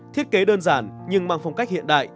thiết kế đơn giản nhưng mang phong cách hiện đại